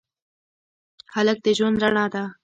هلک د ژوند رڼا ده.